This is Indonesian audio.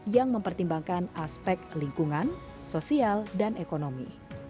yang mempertimbangkan aspek lingkungan sosial dan ekonomi